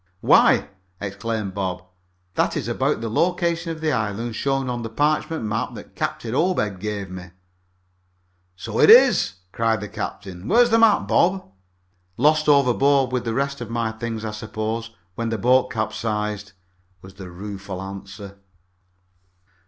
"Why," exclaimed Bob, "that is about the location of the island shown on the parchment map that Captain Obed gave me." "So it is!" cried the captain. "Where is the map, Bob?" "Lost overboard with the rest of my things, I suppose, when the boat capsized," was the rueful answer.